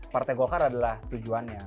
partai golkar adalah tujuannya